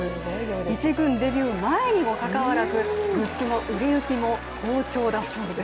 一軍デビュー前にもかかわらずグッズの売れ行きも好調だそうです。